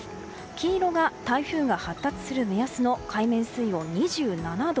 黄色が台風が発達する目安の海面水温２７度。